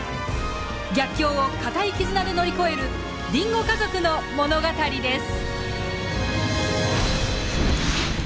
逆境を固い絆で乗り越えるディンゴ家族の物語です。